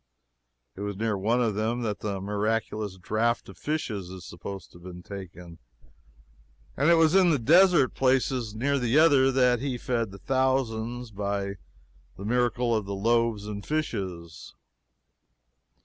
It was near one of them that the miraculous draft of fishes is supposed to have been taken, and it was in the desert places near the other that he fed the thousands by the miracles of the loaves and fishes.